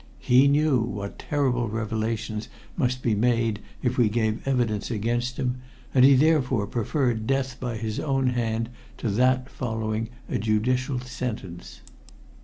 He knew what terrible revelations must be made if we gave evidence against him, and he therefore preferred death by his own hand to that following a judicial sentence.